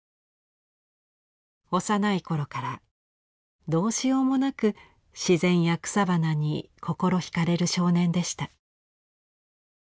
幼い頃からどうしようもなく自然や草花に心ひかれる少年でした。